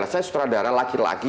saya sutradara laki laki